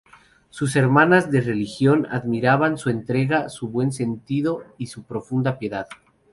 Sus hermanas de religión admiraban su entrega, su buen sentido y su profunda piedad.